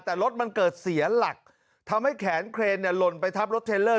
แต่รถมันเกิดเสียหลักทำให้แขนเครนเนี่ยหล่นไปทับรถเทลเลอร์